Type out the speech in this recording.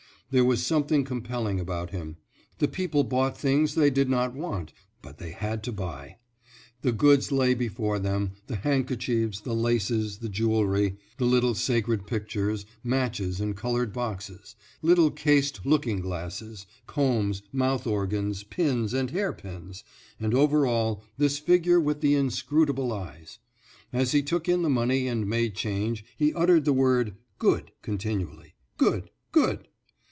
There was something compelling about him; the people bought things they did not want, but they had to buy. The goods lay before them, the handkerchiefs, the laces, the jewelry, the little sacred pictures, matches in colored boxes, little cased looking glasses, combs, mouth organs, pins, and hair pins; and over all, this figure with the inscrutable eyes. As he took in the money and made change, he uttered the word, "Good," continually, "good, good."